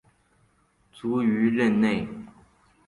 卒于任内。